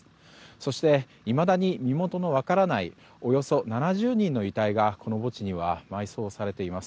そして、いまだに身元の分からないおよそ７０人の遺体がこの墓地には埋葬されています。